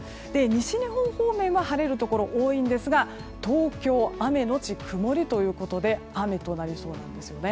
西日本方面は晴れるところが多いんですが東京、雨のち曇りということで雨となりそうです。